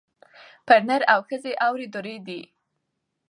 پر نر او ښځي اوري دُرې دي